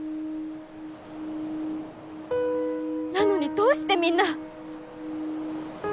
なのにどうしてみんな。